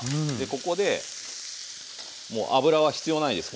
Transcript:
ここでもう油は必要ないです